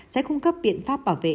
sẽ cung cấp biện pháp bảo vệ